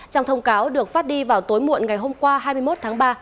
trong thông cáo được phát đi vào tối muộn ngày hôm qua hai mươi một tháng ba